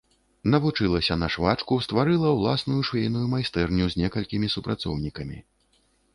Навучылася на швачку, стварыла ўласную швейную майстэрню з некалькімі супрацоўнікамі.